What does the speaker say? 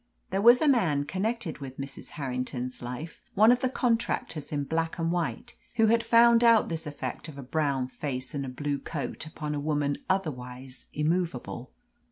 There was a man connected with Mrs. Harrington's life, one of the contractors in black and white, who had found out this effect of a brown face and a blue coat upon a woman otherwise immovable.